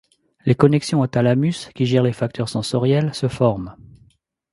Les connexions aux thalamus, qui gère les facteurs sensoriels, se forment.